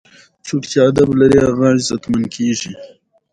هېڅ پرواه ئې نۀ لرم -